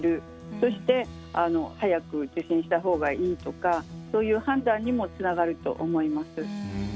そして早く受診したほうがいいとかそういう判断にもつながると思います。